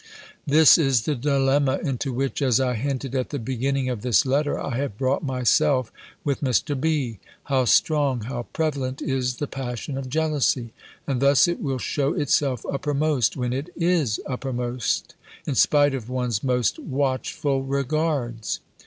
This is the dilemma into which, as I hinted at the beginning of this letter, I have brought myself with Mr. B. How strong, how prevalent is the passion of jealousy; and thus it will shew itself uppermost, when it is uppermost, in spite of one's most watchful regards!